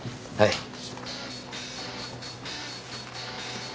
はい。